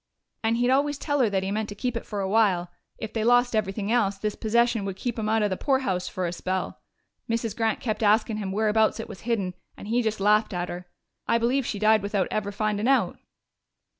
And he'd always tell her that he meant to keep it for a while; if they lost everything else, this possession would keep 'em out of the poorhouse for a spell. Mrs. Grant kept askin' him whereabouts it was hidden, and he just laughed at her. I believe she died without ever findin' out....